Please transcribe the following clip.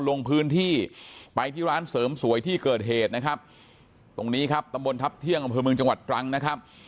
ลงพื้นที่ไปที่ร้านเสริมสวยที่เกิดเหตุนะครับตรงนี้ครับตำบลทัพเที่ยงอำเภอเมืองจังหวัดตรังนะครับ